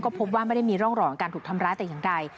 พบว่าไม่ได้มีร่องรอยของการถูกทำร้ายแต่อย่างใด